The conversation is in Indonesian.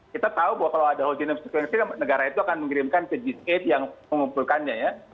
kita tahu bahwa kalau ada whole genome sequencing negara itu akan mengirimkan ke g delapan yang mengumpulkannya ya